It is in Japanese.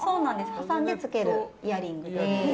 挟んでつけるイヤリングで。